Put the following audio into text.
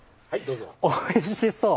おいしそう。